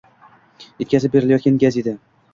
Yetkazib berilayotgan gaz edi